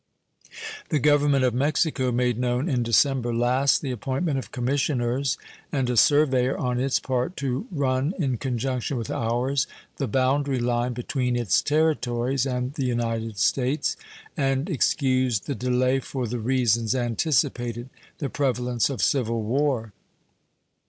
The Government of Mexico made known in December last the appointment of commissioners and a surveyor on its part to run, in conjunction with ours, the boundary line between its territories and the United States, and excused the delay for the reasons anticipated the prevalence of civil war.